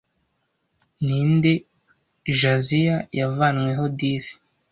Ninde 'Jaziya' yavanyweho disi